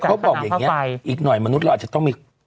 เขาบอกอย่างนี้อีกหน่อยมนุษย์เราอาจจะต้องมี